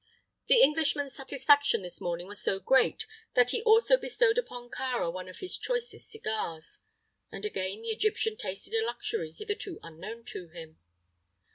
The Englishman's satisfaction this morning was so great that he also bestowed upon Kāra one of his choicest cigars, and again the Egyptian tasted a luxury hitherto unknown to him.